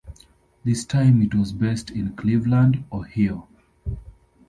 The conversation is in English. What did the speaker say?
This time it was based in Cleveland, Ohio.